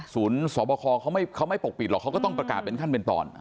สบคเขาไม่ปกปิดหรอกเขาก็ต้องประกาศเป็นขั้นเป็นตอน